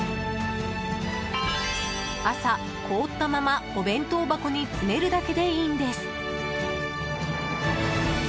朝、凍ったまま、お弁当箱に詰めるだけでいいんです。